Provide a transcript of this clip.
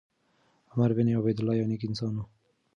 عمر بن عبیدالله یو نېک انسان و.